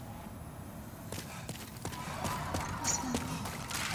伊斯兰国透过阿马克新闻社宣称其犯下此案。